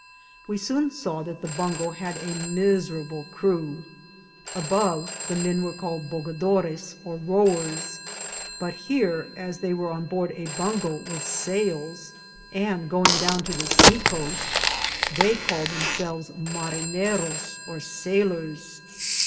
We soon saw that the bungo had a mis erable crew. Above the men were called bogadores or rowers ; but here, as they were on board a bungo with sails, and going down to the seacoast, they called themselves marineros or sailors.